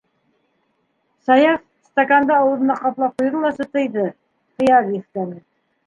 - Саяф, стаканды ауыҙына ҡаплап ҡуйҙы ла сытыйҙы, ҡыяр еҫкәне.